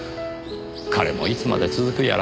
彼もいつまで続くやら。